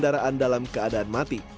kita mendapatkan you